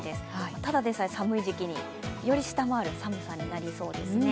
ただでさえ寒い時期により下回る寒さになりそうですね。